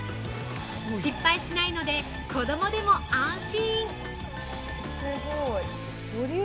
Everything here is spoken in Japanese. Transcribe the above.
失敗しないので、子供でも安心！